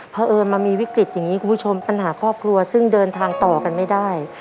เพราะเอิญมามีวิกฤตอย่างนี้คุณผู้ชมปัญหาครอบครัวซึ่งเดินทางต่อกันไม่ได้